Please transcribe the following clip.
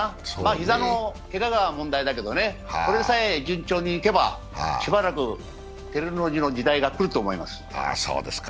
膝のけがが問題だけどね、それさえ順調にいけばしばらく照ノ富士の時代が来ると思います。